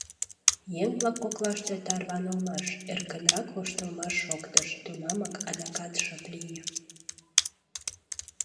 Еҥ-влак коклаште тарванылмаш, эркынрак воштылмаш шоктыш, тунамак адакат шып лие.